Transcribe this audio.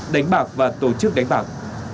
đánh bạc và tổ chức đánh bạc